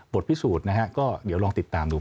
พิสูจน์นะฮะก็เดี๋ยวลองติดตามดู